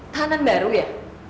tanan baru ya